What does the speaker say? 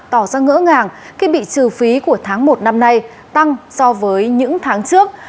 tỏ ra ngỡ ngàng khi bị trừ phí của tháng một năm nay tăng so với những tháng trước